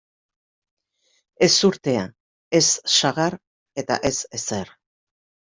Ezurtea, ez sagar eta ez ezer.